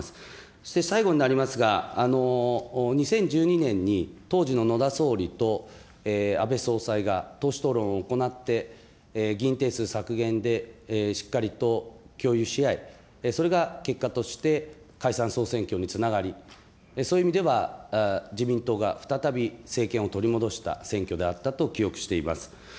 そして最後になりますが、２０１２年に当時の野田総理と、安倍総裁が党首討論を行って、議員定数削減でしっかりと共有し合い、それが結果として解散・総選挙につながり、そういう意味では自民党が再び政権を取り戻した選挙であったと記憶しています。